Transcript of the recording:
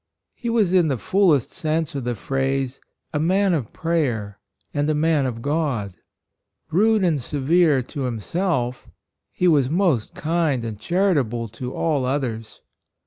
He was in the 91 92 PERSONAL RELIGION, fullest sense of the phrase a man of prayer and a man of God. Rude and severe to himself, he was most kind and charitable to all others.